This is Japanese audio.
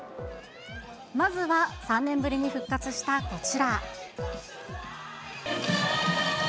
まずは、３年ぶりに復活したこちら。